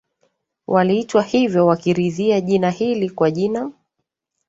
waliitwa hivyo wakiridhia jina hili kwa jina